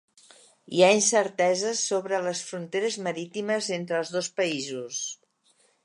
Hi ha incerteses sobre les fronteres marítimes entre els dos països.